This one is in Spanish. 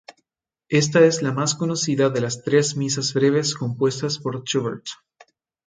Esta es la más conocida de las tres misas breves compuestas por Schubert.